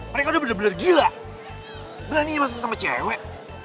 mereka udah bener bener gila beraniin masing masing sama cewek